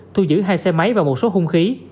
thu giữ hai xe máy và một số hung khí